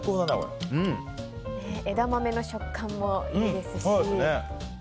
枝豆の食感もいいですし。